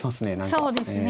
そうですね。